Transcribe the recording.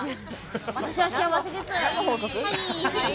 私は幸せです。